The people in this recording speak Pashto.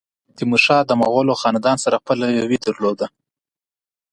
تیمورشاه د مغولو خاندان سره خپلوي درلوده.